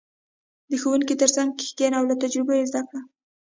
• د ښوونکي تر څنګ کښېنه او له تجربو یې زده کړه.